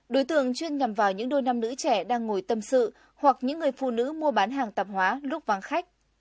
đối tượng chuyên nhằm vào những đôi nam nữ trẻ đang ngồi tâm sự hoặc những người phụ nữ mua bán hàng tạp hóa lúc vắng khách